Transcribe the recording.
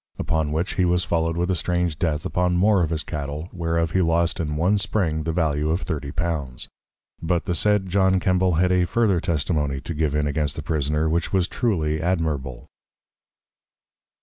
Upon which he was followed with a strange Death upon more of his Cattle, whereof he lost in one Spring to the Value of Thirty Pounds. But the said John Kembal had a further Testimony to give in against the Prisoner which was truly admirable.